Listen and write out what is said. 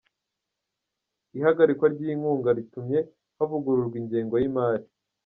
Ihagarikwa ry’inkunga ritumye havugururwa Ingengo y’Imari